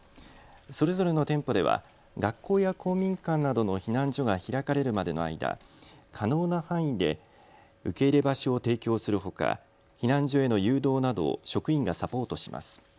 それぞれの店舗では学校や公民館などの避難所が開かれるまでの間、可能な範囲で受け入れ場所を提供するほか避難所への誘導などを職員がサポートします。